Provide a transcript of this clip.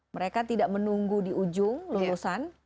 mereka tidak menunggu di ujung lulusan